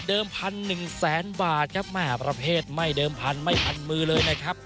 พันหนึ่งแสนบาทครับแม่ประเภทไม่เดิมพันไม่พันมือเลยนะครับ